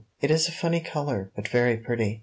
It is a funny color, but very pretty.